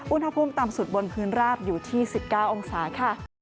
อุณหภูมิต่ำสุดบนพื้นราบอยู่ที่๑๙องศาค่ะ